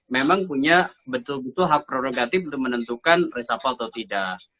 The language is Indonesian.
memang punya betul betul hak prerogatif untuk menentukan reshuffle atau tidak